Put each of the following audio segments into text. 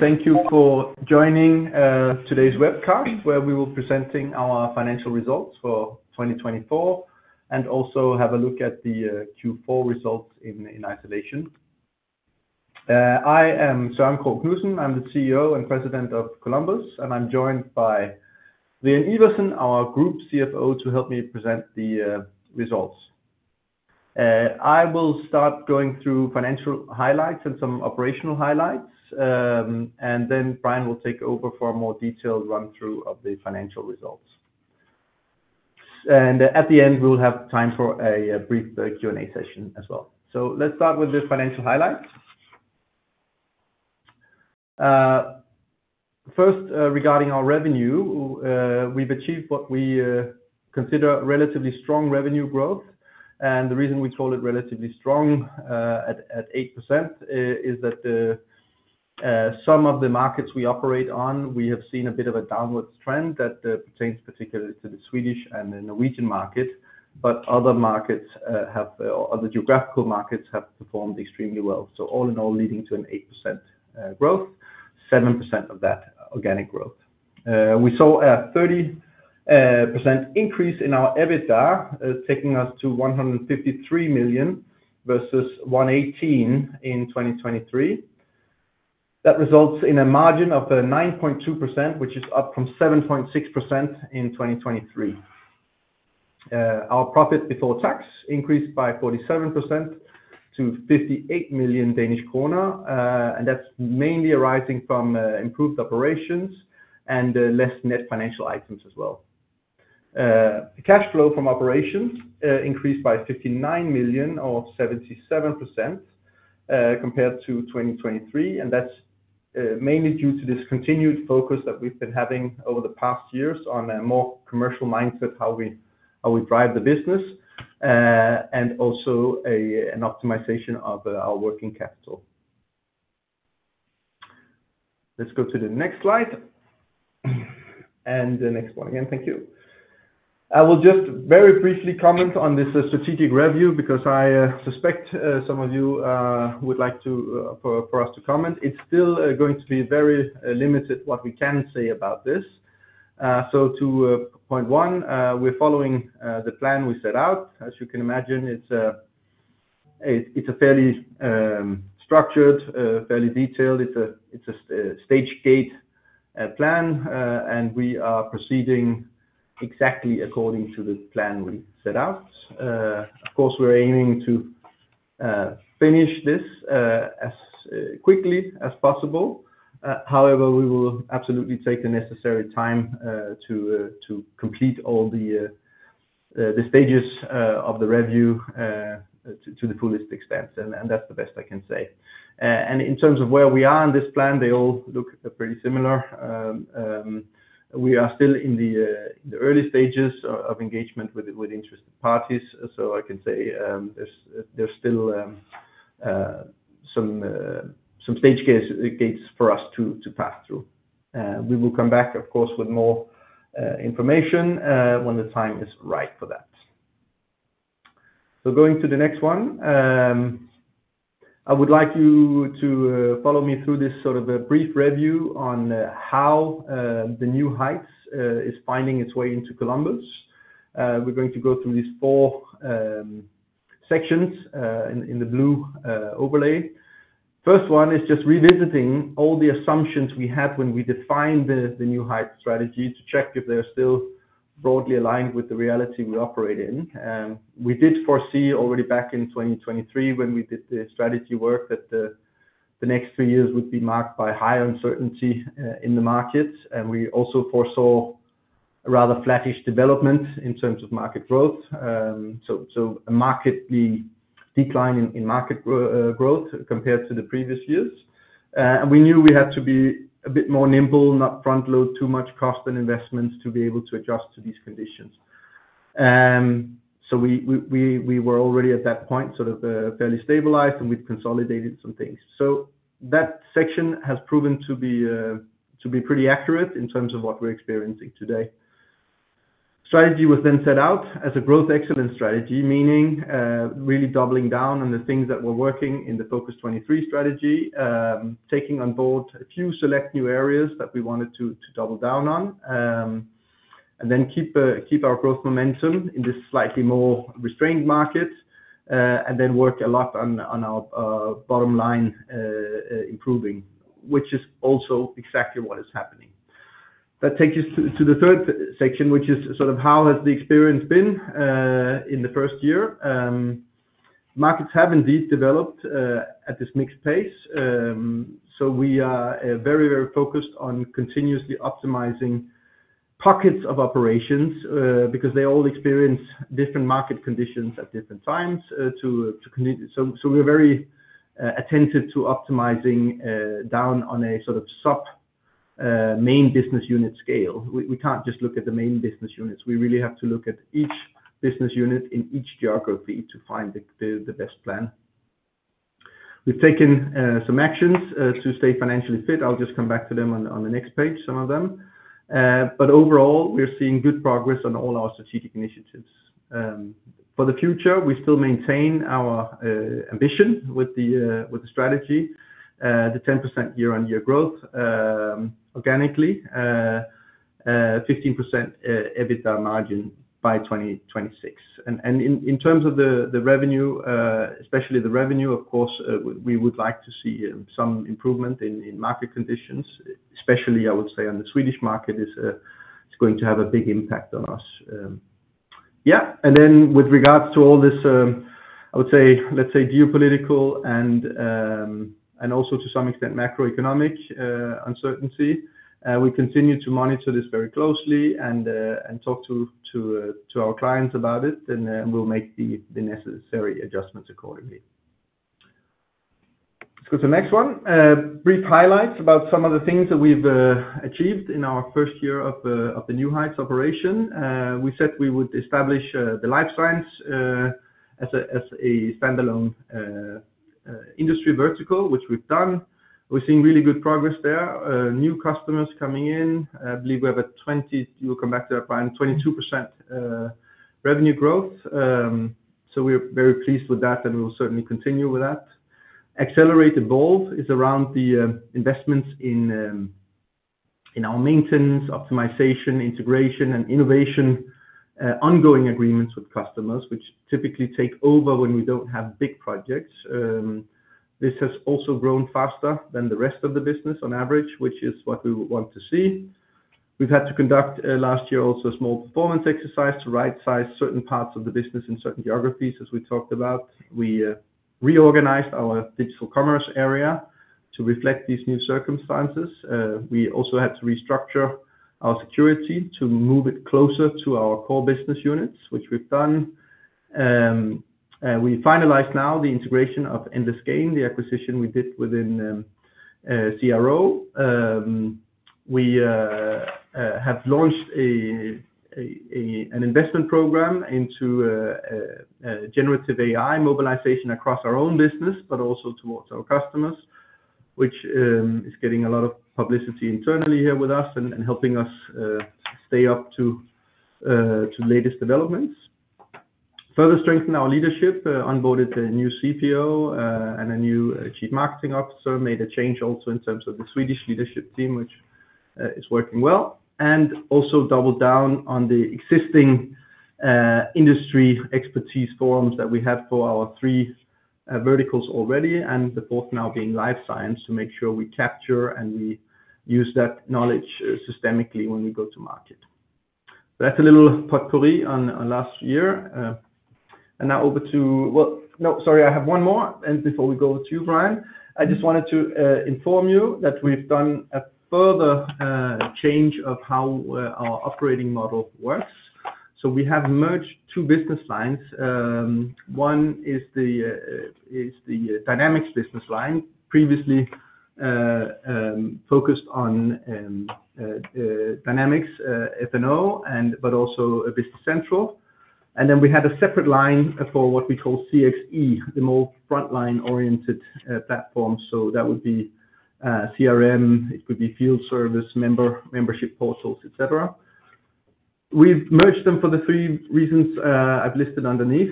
Thank you for joining today's webcast, where we will be presenting our financial results for 2024 and also have a look at the Q4 results in isolation. I am Søren Krogh Knudsen. I'm the CEO and President of Columbus, and I'm joined by Brian Iversen, our Group CFO, to help me present the results. I will start going through financial highlights and some operational highlights, then Brian will take over for a more detailed run-through of the financial results. At the end, we'll have time for a brief Q&A session as well. Let's start with the financial highlights. First, regarding our revenue, we've achieved what we consider relatively strong revenue growth. The reason we call it relatively strong at 8% is that some of the markets we operate on, we have seen a bit of a downward trend that pertains particularly to the Swedish and the Norwegian market, but other markets have—other geographical markets have performed extremely well. All in all, leading to an 8% growth, 7% of that organic growth. We saw a 30% increase in our EBITDA, taking us to 153 million vs 118 million in 2023. That results in a margin of 9.2%, which is up from 7.6% in 2023. Our profit before tax increased by 47% to 58 million Danish kroner, and that's mainly arising from improved operations and less net financial items as well. The cash flow from operations increased by 59 million, or 77%, compared to 2023, and that's mainly due to this continued focus that we've been having over the past years on a more commercial mindset, how we drive the business, and also an optimization of our working capital. Let's go to the next slide. The next one again, thank you. I will just very briefly comment on this strategic review because I suspect some of you would like for us to comment. It's still going to be very limited what we can say about this. To point one, we're following the plan we set out. As you can imagine, it's fairly structured, fairly detailed. It's a stage-gate plan, and we are proceeding exactly according to the plan we set out. Of course, we're aiming to finish this as quickly as possible. However, we will absolutely take the necessary time to complete all the stages of the review to the fullest extent, and that's the best I can say. In terms of where we are on this plan, they all look pretty similar. We are still in the early stages of engagement with interested parties, so I can say there's still some stage-gates for us to pass through. We will come back, of course, with more information when the time is right for that. Going to the next one, I would like you to follow me through this sort of a brief review on how the New Heights is finding its way into Columbus. We're going to go through these four sections in the Blue Overlay. First one is just revisiting all the assumptions we had when we defined the New Heights strategy to check if they're still broadly aligned with the reality we operate in. We did foresee already back in 2023 when we did the strategy work that the next three years would be marked by high uncertainty in the markets, and we also foresaw a rather flattish development in terms of market growth, so a marked decline in market growth compared to the previous years. We knew we had to be a bit more nimble, not front-load too much cost and investments to be able to adjust to these conditions. We were already at that point sort of fairly stabilized, and we've consolidated some things. That section has proven to be pretty accurate in terms of what we're experiencing today. Strategy was then set out as a Growth Excellence strategy, meaning really doubling down on the things that were working in the Focus 23 strategy, taking on board a few select new areas that we wanted to double down on, and then keep our growth momentum in this slightly more restrained market, and then work a lot on our bottom line improving, which is also exactly what is happening. That takes us to the third section, which is sort of how has the experience been in the first year. Markets have indeed developed at this mixed pace, so we are very, very focused on continuously optimizing pockets of operations because they all experience different market conditions at different times. We are very attentive to optimizing down on a sort of sub main business unit scale. We cannot just look at the main business units. We really have to look at each business unit in each geography to find the best plan. We've taken some actions to stay financially fit. I'll just come back to them on the next page, some of them. Overall, we're seeing good progress on all our strategic initiatives. For the future, we still maintain our ambition with the strategy, the 10% year-on-year organic growth, 15% EBITDA margin by 2026. In terms of the revenue, especially the revenue, of course, we would like to see some improvement in market conditions, especially I would say on the Swedish market is going to have a big impact on us. Yeah. With regards to all this, I would say, let's say geopolitical and also to some extent macroeconomic uncertainty, we continue to monitor this very closely and talk to our clients about it, and we'll make the necessary adjustments accordingly. Let's go to the next one. Brief highlights about some of the things that we've achieved in our first year of the New Heights Operation. We said we would establish the Life Science as a standalone industry vertical, which we've done. We're seeing really good progress there. New customers coming in. I believe we have a 20—we'll come back to that point—22% revenue growth. So we're very pleased with that, and we will certainly continue with that. Accelerated BOLD is around the investments in our maintenance, optimization, integration, and innovation ongoing agreements with customers, which typically take over when we don't have big projects. This has also grown faster than the rest of the business on average, which is what we want to see. We've had to conduct last year also a small performance exercise to right-size certain parts of the business in certain geographies, as we talked about. We reorganized our Digital Commerce area to reflect these new circumstances. We also had to restructure our security to move it closer to our core business units, which we've done. We finalized now the integration of Endless Gain, the acquisition we did within CRO. We have launched an investment program into generative AI mobilization across our own business, but also towards our customers, which is getting a lot of publicity internally here with us and helping us stay up to the latest developments. Further strengthened our leadership, onboarded a new CPO and a new Chief Marketing Officer, made a change also in terms of the Swedish leadership team, which is working well, and also doubled down on the existing industry expertise forums that we have for our three verticals already, and the fourth now being Life Science to make sure we capture and we use that knowledge systemically when we go to market. That is a little potpourri on last year. I have one more. Before we go to you, Brian, I just wanted to inform you that we have done a further change of how our operating model works. We have merged two business lines. One is the Dynamics business line, previously focused on Dynamics 365 Finance & Operations, but also Business Central. We had a separate line for what we call CXE, the more frontline-oriented platform. That would be CRM, it could be field service, Membership Portals, etc. We have merged them for the three reasons I have listed underneath.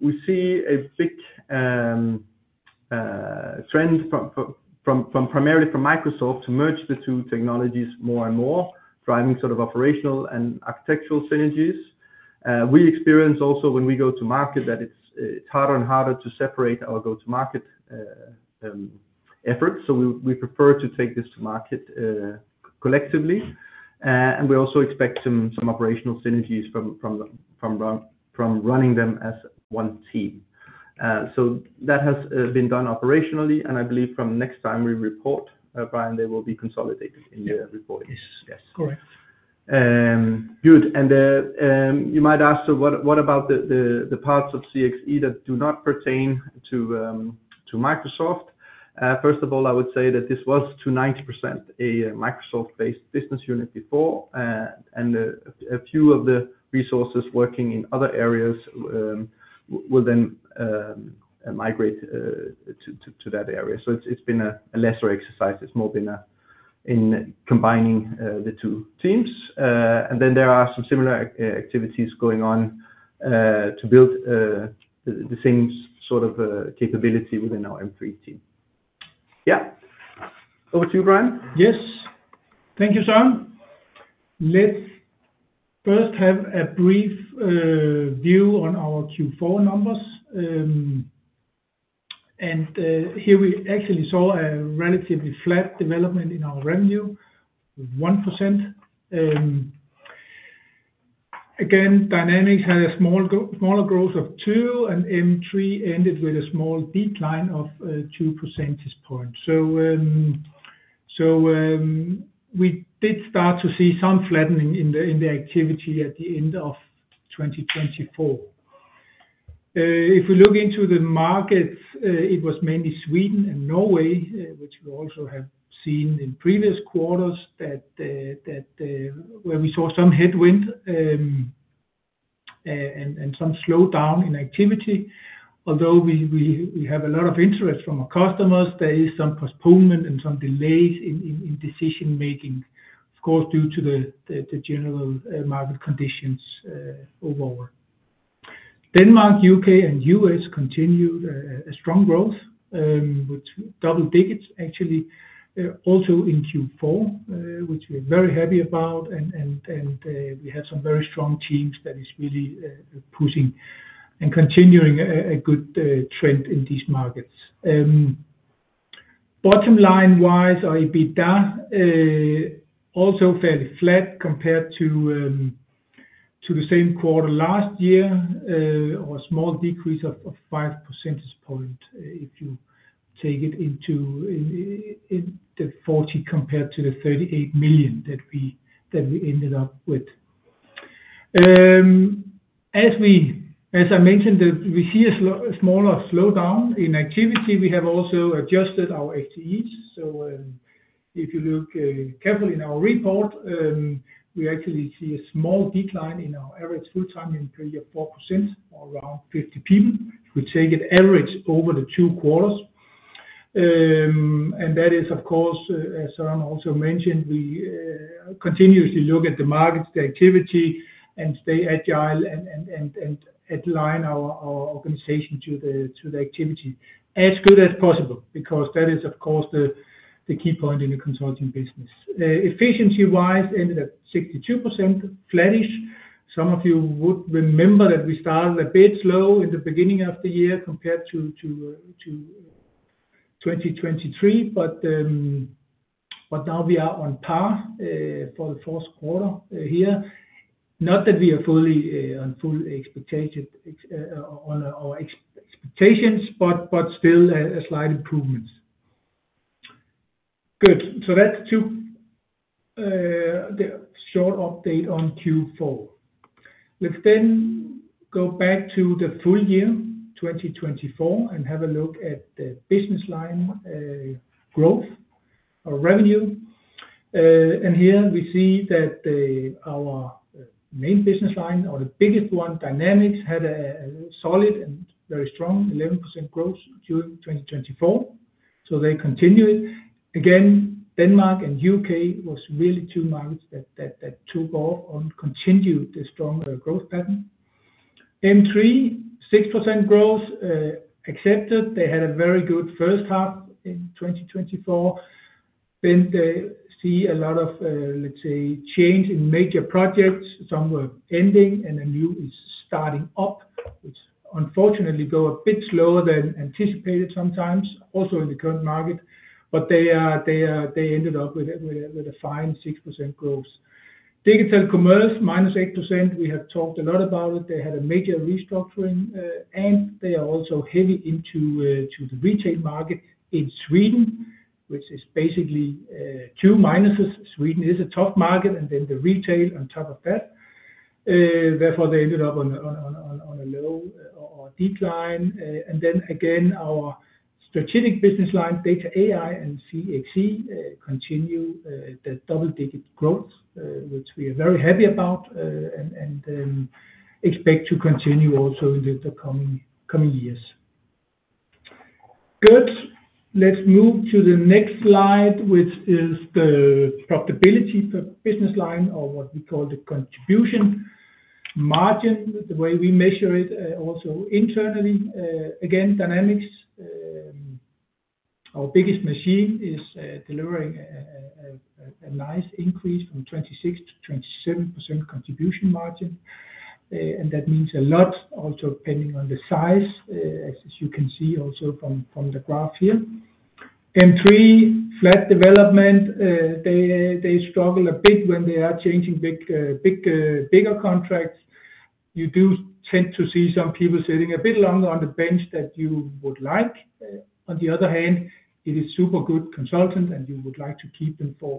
We see a big trend primarily from Microsoft to merge the two technologies more and more, driving operational and architectural synergies. We experience also when we go to market that it is harder and harder to separate our go-to-market efforts. We prefer to take this to market collectively. We also expect some operational synergies from running them as one team. That has been done operationally. I believe from next time we report, Brian, they will be consolidated in the reporting. Yes. Yes. Correct. Good. You might ask, what about the parts of CXE that do not pertain to Microsoft? First of all, I would say that this was to 90% a Microsoft-based business unit before, and a few of the resources working in other areas will then migrate to that area. It's been a lesser exercise. It's more been in combining the two teams. There are some similar activities going on to build the same sort of capability within our M3 team. Yeah. Over to you, Brian. Yes. Thank you, Søren. Let's first have a brief view on our Q4 numbers. Here we actually saw a relatively flat development in our revenue, 1%. Again, Dynamics had a smaller growth of 2%, and M3 ended with a small decline of 2 percentage points. We did start to see some flattening in the activity at the end of 2024. If we look into the markets, it was mainly Sweden and Norway, which we also have seen in previous quarters where we saw some headwind and some slowdown in activity. Although we have a lot of interest from our customers, there is some postponement and some delays in decision-making, of course, due to the general market conditions overall. Denmark, U.K., and U.S. continued a strong growth, which double-digits actually, also in Q4, which we are very happy about. We have some very strong teams that are really pushing and continuing a good trend in these markets. Bottom line-wise, EBITDA also fairly flat compared to the same quarter last year, or a small decrease of 5% points if you take it into the 40 compared to the 38 million that we ended up with. As I mentioned, we see a smaller slowdown in activity. We have also adjusted our FTEs. If you look carefully in our report, we actually see a small decline in our average full-time employee of 4%, or around 50 people, if we take it average over the two quarters. That is, of course, as Søren also mentioned, we continuously look at the markets, the activity, and stay agile and align our organization to the activity as good as possible because that is, of course, the key point in a consulting business. Efficiency-wise, ended at 62%, flattish. Some of you would remember that we started a bit slow in the beginning of the year compared to 2023, but now we are on par for the fourth quarter here. Not that we are fully on full expectations or expectations, but still a slight improvement. Good. That is two short updates on Q4. Let us then go back to the full year, 2024, and have a look at the business line growth or revenue. Here we see that our main business line, or the biggest one, Dynamics, had a solid and very strong 11% growth during 2024. They continued. Again, Denmark and U.K. were really two markets that took off and continued the strong growth pattern. M3, 6% growth, accepted. They had a very good first half in 2024. Then they see a lot of, let us say, change in major projects. Some were ending, and a new is starting up, which unfortunately goes a bit slower than anticipated sometimes, also in the current market. They ended up with a fine 6% growth. Digital Commerce, -8%. We have talked a lot about it. They had a major restructuring, and they are also heavy into the retail market in Sweden, which is basically two minuses. Sweden is a tough market, and the retail on top of that. Therefore, they ended up on a low or decline. Again, our strategic business line, Data, AI, and CXE continue the double-digit growth, which we are very happy about and expect to continue also in the coming years. Good. Let's move to the next slide, which is the profitability business line, or what we call the contribution margin, the way we measure it also internally. Again, Dynamics, our biggest machine, is delivering a nice increase from 26% to 27% contribution margin. That means a lot, also depending on the size, as you can see also from the graph here. M3, flat development. They struggle a bit when they are changing bigger contracts. You do tend to see some people sitting a bit longer on the bench than you would like. On the other hand, it is a super good consultant, and you would like to keep them for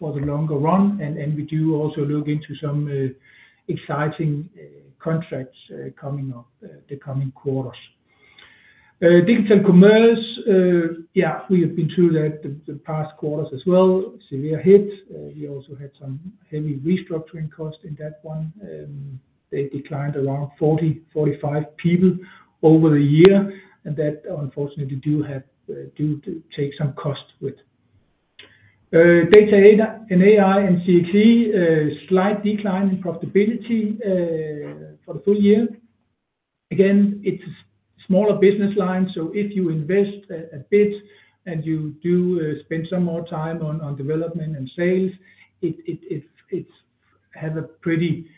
the longer run. We do also look into some exciting contracts coming up the coming quarters. Digital Commerce, yeah, we have been through that the past quarters as well, severe hit. We also had some heavy restructuring costs in that one. They declined around 40-45 people over the year, and that unfortunately do take some cost with. Data, and AI, and CXE, slight decline in profitability for the full year. Again, it's a smaller business line. If you invest a bit and you do spend some more time on development and sales, it has a pretty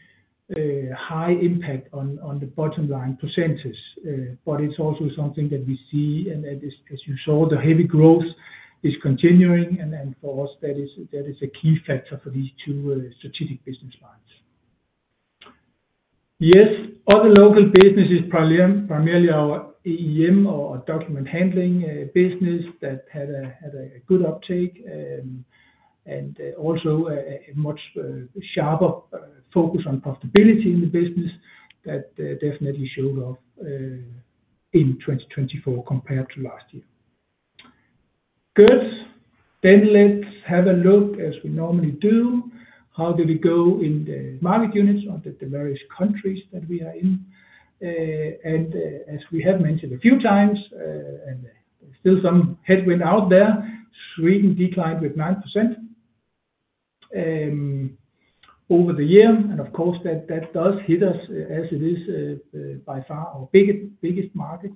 high impact on the bottom line percentage. It is also something that we see, and as you saw, the heavy growth is continuing. For us, that is a key factor for these two strategic business lines. Yes. Other local businesses, primarily our EEM or Document Handling business, that had a good uptake and also a much sharper focus on profitability in the business that definitely showed off in 2024 compared to last year. Good. Let's have a look, as we normally do, how did it go in the market units or the various countries that we are in. As we have mentioned a few times, there is still some headwind out there. Sweden declined by 9% over the year. Of course, that does hit us as it is by far our biggest market.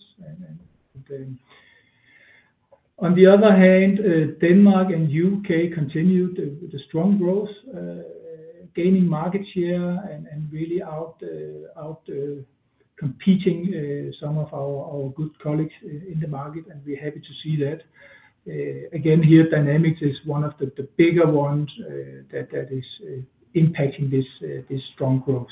On the other hand, Denmark and the U.K. continued with strong growth, gaining market share and really outcompeting some of our good colleagues in the market. We are happy to see that. Again, here, Dynamics is one of the bigger ones that is impacting this strong growth.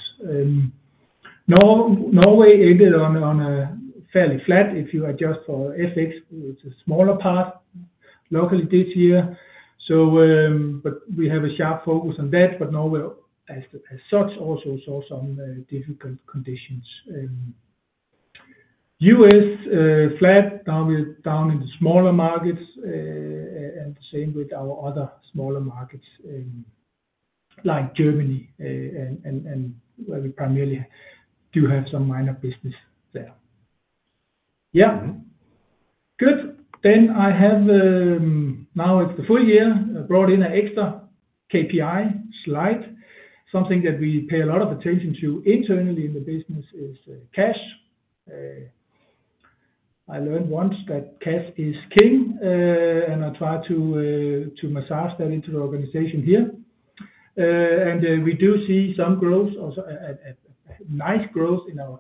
Norway ended on a fairly flat note. If you adjust for FX, it is a smaller part locally this year. We have a sharp focus on that. Norway, as such, also saw some difficult conditions. The U.S. is flat, down in the smaller markets, and the same with our other smaller markets like Germany, where we primarily do have some minor business there. Good. I have now, it's the full year, brought in an extra KPI slide. Something that we pay a lot of attention to internally in the business is cash. I learned once that cash is king, and I try to massage that into the organization here. We do see some growth, nice growth in our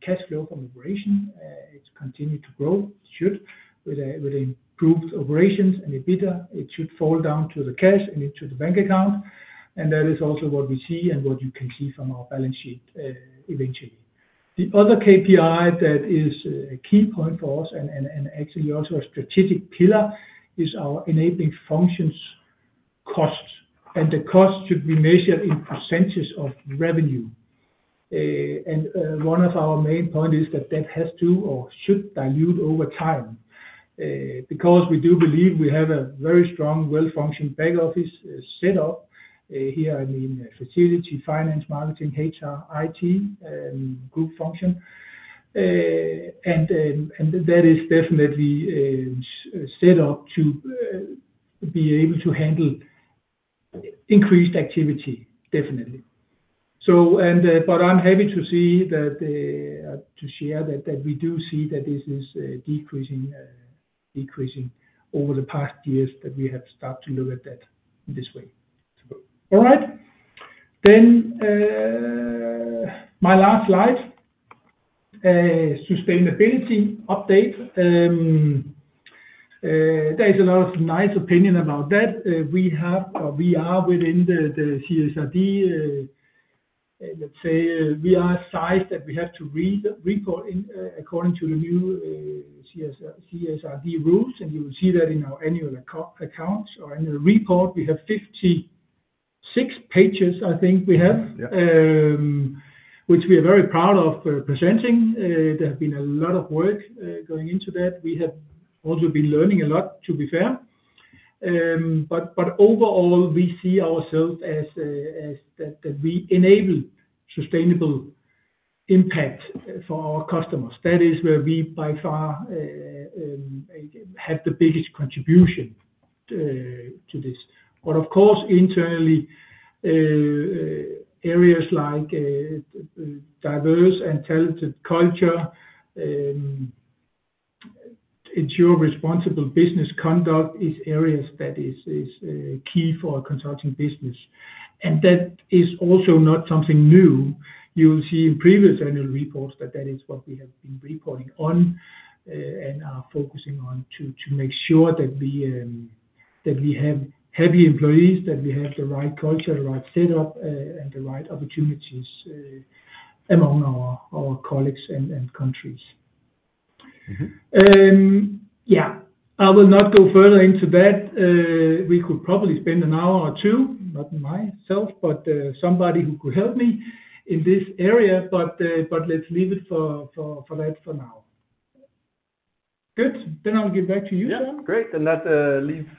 cash flow from operation. It's continued to grow, should, with improved operations and EBITDA. It should fall down to the cash and into the bank account. That is also what we see and what you can see from our balance sheet eventually. The other KPI that is a key point for us and actually also a strategic pillar is our enabling functions cost. The cost should be measured in % of revenue. One of our main points is that that has to or should dilute over time because we do believe we have a very strong, well-functioned back office setup here. I mean, facility, finance, marketing, HR, IT, group function. That is definitely set up to be able to handle increased activity, definitely. I'm happy to share that we do see that this is decreasing over the past years that we have started to look at that this way. All right. My last slide, sustainability update. There is a lot of nice opinion about that. We are within the CSRD. Let's say we are sized that we have to report according to the new CSRD rules. You will see that in our annual accounts or annual report. We have 56 pages, I think we have, which we are very proud of presenting. There has been a lot of work going into that. We have also been learning a lot, to be fair. Overall, we see ourselves as that we enable sustainable impact for our customers. That is where we by far have the biggest contribution to this. Of course, internally, areas like diverse and talented culture, ensuring responsible business conduct is key for a consulting business. That is also not something new. You will see in previous annual reports that is what we have been reporting on and are focusing on to make sure that we have happy employees, that we have the right culture, the right setup, and the right opportunities among our colleagues and countries. Yeah. I will not go further into that. We could probably spend an hour or two, not myself, but somebody who could help me in this area. Let's leave it for that for now. Good. I'll give back to you, Søren. Yeah. Great. That leaves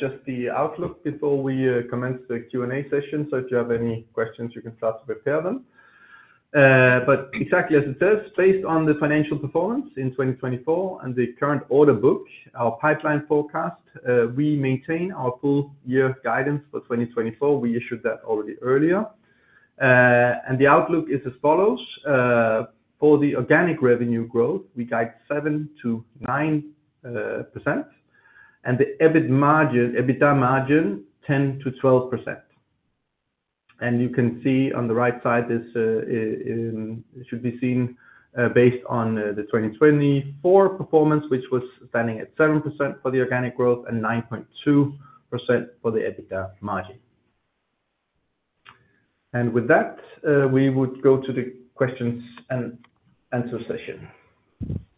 just the outlook before we commence the Q&A session. If you have any questions, you can start to prepare them. Exactly as it says, based on the financial performance in 2024 and the current order book, our pipeline forecast, we maintain our full-year guidance for 2024. We issued that already earlier. The outlook is as follows. For the organic revenue growth, we guide 7% to 9%. The EBITDA margin, 10% to 12%. You can see on the right side, this should be seen based on the 2024 performance, which was standing at 7% for the organic growth and 9.2% for the EBITDA margin. With that, we would go to the questions and answer session.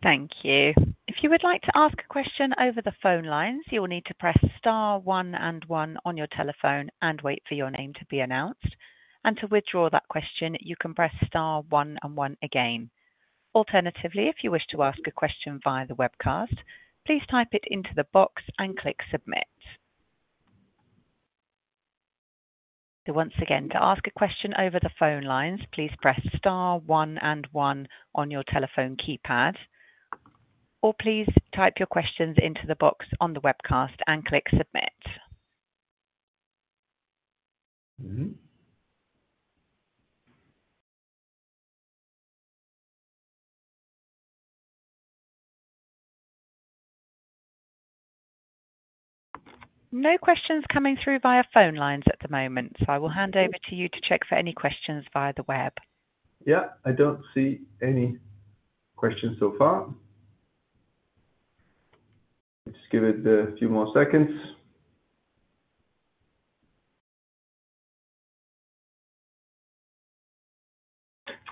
Thank you. If you would like to ask a question over the phone lines, you will need to press star one and one on your telephone and wait for your name to be announced. To withdraw that question, you can press star one and one again. Alternatively, if you wish to ask a question via the webcast, please type it into the box and click submit. Once again, to ask a question over the phone lines, please press star one and one on your telephone keypad. Please type your questions into the box on the webcast and click submit. No questions coming through via phone lines at the moment. I will hand over to you to check for any questions via the web. Yeah. I do not see any questions so far. Just give it a few more seconds.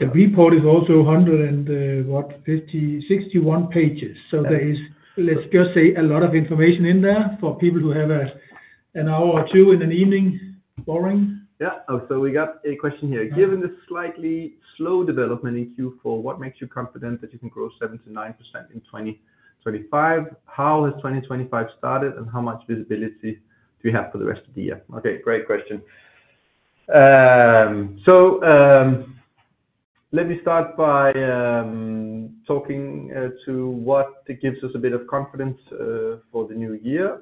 The report is also 161 pages. There is, let's just say, a lot of information in there for people who have an hour or two in an evening, boring. Yeah. We got a question here. Given the slightly slow development in Q4, what makes you confident that you can grow 7% to 9% in 2025? How has 2025 started, and how much visibility do we have for the rest of the year? Okay. Great question. Let me start by talking to what gives us a bit of confidence for the new year.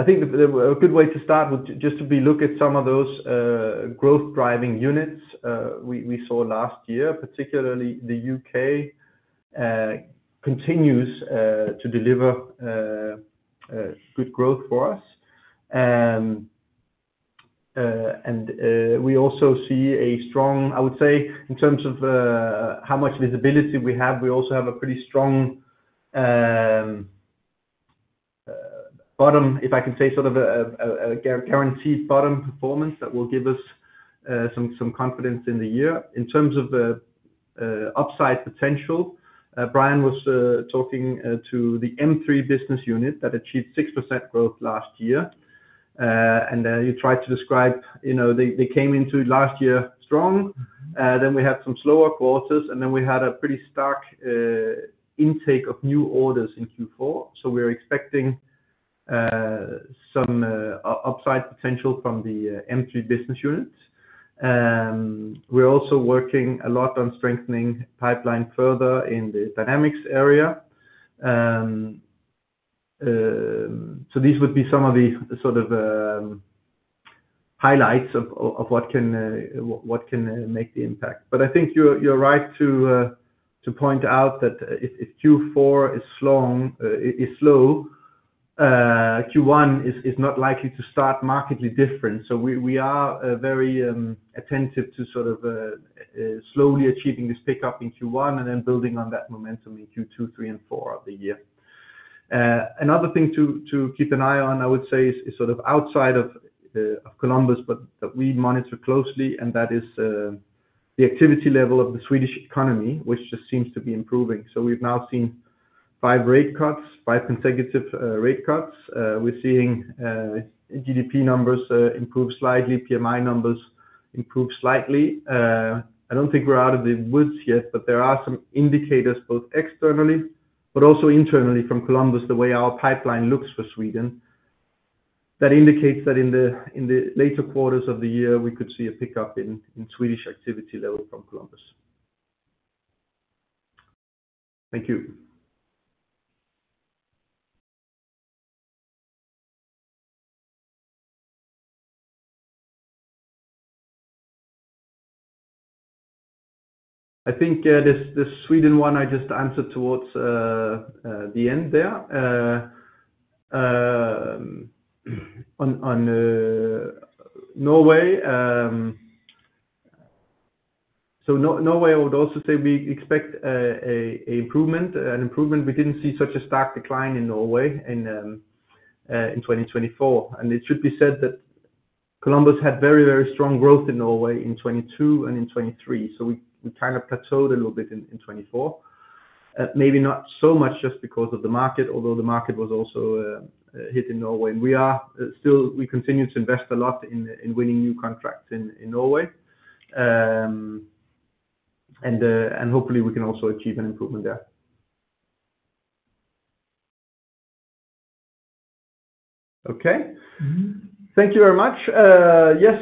I think a good way to start would just be to look at some of those growth-driving units we saw last year, particularly the U.K., which continues to deliver good growth for us. We also see a strong, I would say, in terms of how much visibility we have, we also have a pretty strong bottom, if I can say, sort of a guaranteed bottom performance that will give us some confidence in the year. In terms of upside potential, Brian was talking to the M3 business unit that achieved 6% growth last year. You tried to describe they came into last year strong. Then we had some slower quarters, and then we had a pretty stark intake of new orders in Q4. We are expecting some upside potential from the M3 business unit. We are also working a lot on strengthening pipeline further in the Dynamics area. These would be some of the sort of highlights of what can make the impact. I think you're right to point out that if Q4 is slow, Q1 is not likely to start markedly different. We are very attentive to sort of slowly achieving this pickup in Q1 and then building on that momentum in Q2, Q3, and Q4 of the year. Another thing to keep an eye on, I would say, is sort of outside of Columbus, but that we monitor closely, and that is the activity level of the Swedish economy, which just seems to be improving. We've now seen five rate cuts, five consecutive rate cuts. We're seeing GDP numbers improve slightly, PMI numbers improve slightly. I don't think we're out of the woods yet, but there are some indicators, both externally but also internally from Columbus, the way our pipeline looks for Sweden, that indicates that in the later quarters of the year, we could see a pickup in Swedish activity level from Columbus. Thank you. I think the Sweden one I just answered towards the end there. On Norway, I would also say we expect an improvement. We didn't see such a stark decline in Norway in 2024. It should be said that Columbus had very, very strong growth in Norway in 2022 and in 2023. We kind of plateaued a little bit in 2024, maybe not so much just because of the market, although the market was also hit in Norway. We continue to invest a lot in winning new contracts in Norway. Hopefully, we can also achieve an improvement there. Okay. Thank you very much. Yes.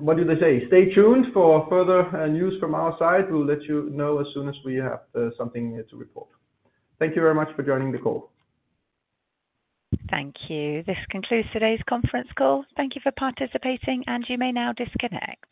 What did they say? Stay tuned for further news from our side. We'll let you know as soon as we have something to report. Thank you very much for joining the call. Thank you. This concludes today's conference call. Thank you for participating, and you may now disconnect.